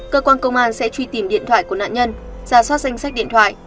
cơ quan công an sẽ truy tìm điện thoại của nạn nhân ra soát danh sách điện thoại